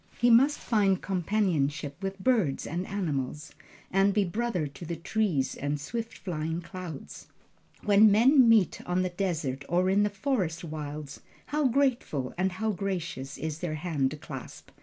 He must find companionship with birds and animals, and be brother to the trees and swift flying clouds. When men meet on the desert or in the forest wilds, how grateful and how gracious is their hand clasp!